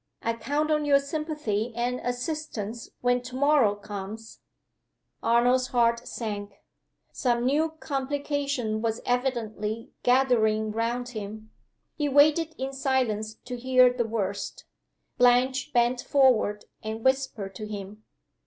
I count on your sympathy and assistance when to morrow comes!" Arnold's heart sank. Some new complication was evidently gathering round him. He waited in silence to hear the worst. Blanche bent forward, and whispered to him.